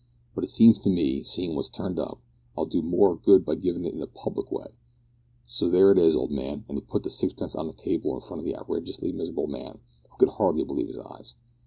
But it seems to me that, seein' what's turned up, I'll do more good by givin' it in a public way so, there it is, old man," and he put the sixpence on the table in front of the outrageously miserable man, who could hardly believe his eyes.